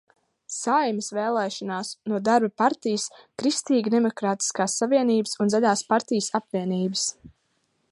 Saeimas vēlēšanās no Darba partijas, Kristīgi demokrātiskās savienības un Zaļās partijas apvienības.